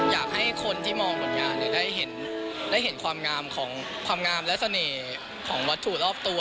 อยากให้คนที่มองผลงานได้เห็นความงามของความงามและเสน่ห์ของวัตถุรอบตัว